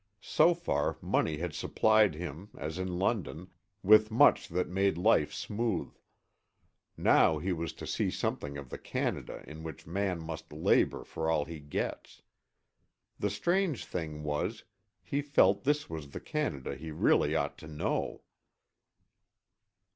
So far, money had supplied him, as in London, with much that made life smooth. Now he was to see something of the Canada in which man must labor for all he gets. The strange thing was, he felt this was the Canada he really ought to know.